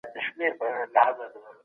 پښتو ژبه زموږ د پېژندګلوي او هویت اساس دی